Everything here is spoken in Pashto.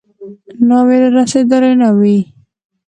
ناوې رارسېدلې نه وي.